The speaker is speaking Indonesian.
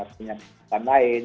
punya tempat lain